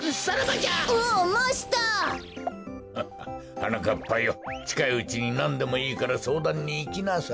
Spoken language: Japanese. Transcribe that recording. はなかっぱよちかいうちになんでもいいからそうだんにいきなさい。